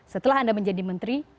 setelah anda menjadi menteri